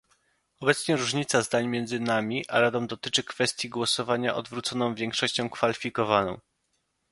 Obecnie różnica zdań między nami a Radą dotyczy kwestii głosowania odwróconą większością kwalifikowaną